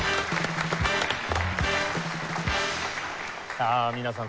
さあ皆さん